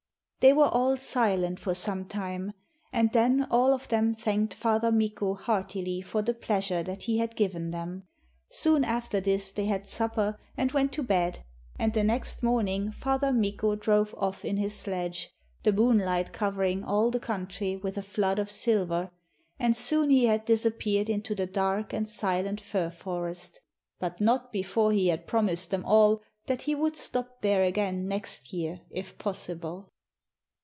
They were all silent for some time, and then all of them thanked Father Mikko heartily for the pleasure that he had given them. Soon after this they had supper and went to bed, and the next morning Father Mikko drove off in his sledge, the moonlight covering all the country with a flood of silver, and soon he had disappeared into the dark and silent fir forest; but not before he had promised them all that he would stop there again next year if possible.